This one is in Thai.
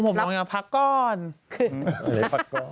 แล้วท่านขั้นอย่างใจน่ะไถเซอร์มัน